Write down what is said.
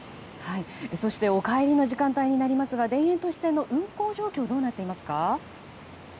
そしてお帰りの時間帯になりますが田園都市線の運行状況はどうなっていますか？